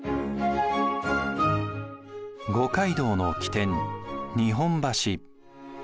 五街道の起点日本橋。